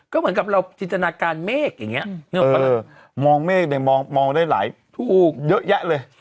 ก็เหมือนกับเราจินตนาการเมฆอย่างเงี้ยมองเมฆเนี่ยมองได้หลายทุกเยอะแยะเลย